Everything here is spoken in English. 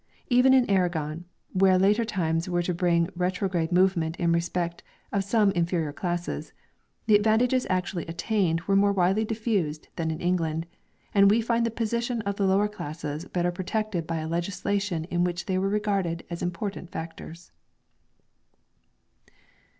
Even in Aragon, where later times were to bring a retrograde movement in respect of some in ferior classes, the advantages actually attained were more widely diffused than in England; and we find the position of the lower classes better protected by a legislation in which they were regarded as important factors.